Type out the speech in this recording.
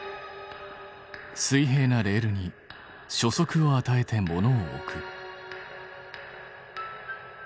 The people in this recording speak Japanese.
水平なレールに初速をあたえて物を置く。